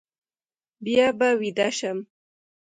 بیا به ویده شم.